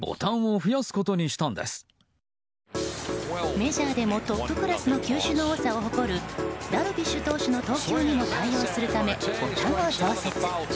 メジャーでもトップクラスの球種の多さを誇るダルビッシュ投手の投球にも対応するためボタンを増設。